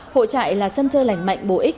hội trại là sân chơi lành mạnh bổ ích